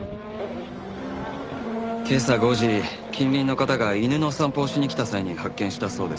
今朝５時近隣の方が犬の散歩をしに来た際に発見したそうです。